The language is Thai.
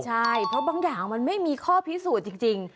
ใช่เพราะบางอย่างมันไม่มีข้อพิสูจน์จริง